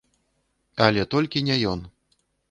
Але толькі не ён.